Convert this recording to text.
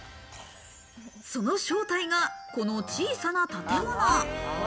その正体が、この小さな建物。